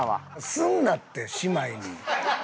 すんなって姉妹に。